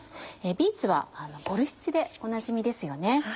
ビーツはボルシチでおなじみですよね。